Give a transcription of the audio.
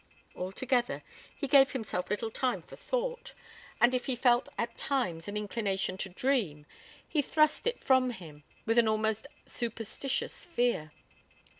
Altogether, he gave himself little time for thought, and if he felt at times an inclination to dream he thrust it from him with an almost superstitious fear.